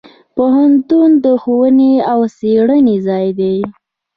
پوهنتون د ښوونې او څیړنې ځای دی.